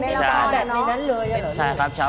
พระอาจารย์วิรัยที่เป็นพระฤาษีชุดข่าว